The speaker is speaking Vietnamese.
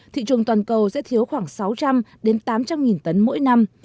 thị trường toàn cầu sẽ thiếu khoảng sáu trăm linh tám trăm linh tấn mỗi năm